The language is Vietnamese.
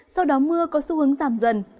sau đó mưa có xu hướng giảm dần